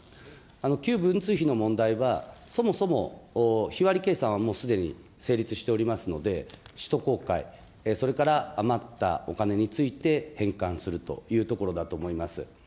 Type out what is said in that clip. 旧文通費の問題は、そもそも日割り計算はもうすでに成立しておりますので、使途公開、それから余ったお金について返還するというところだと思います。